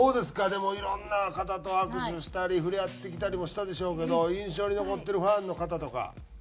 でもいろんな方と握手したり触れ合ってきたりもしたでしょうけど印象に残ってるファンの方とか。